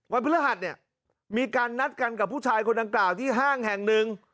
พฤหัสเนี่ยมีการนัดกันกับผู้ชายคนดังกล่าวที่ห้างแห่งหนึ่ง